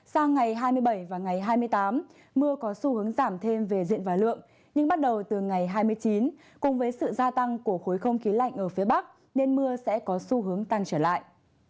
sang ngày hai mươi bảy và ngày hai mươi tám mưa có xu hướng giảm thêm về diện và lượng nhưng bắt đầu từ ngày hai mươi chín cùng với sự gia tăng của khối không khí lạnh ở phía bắc nên mưa sẽ có xu hướng tăng trở lại